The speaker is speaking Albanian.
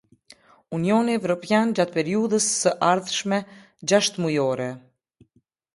Unionin Evropian gjatë periudhës së ardhshme gjashtëmujore.